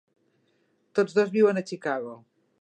Tots dos viuen a Chicago.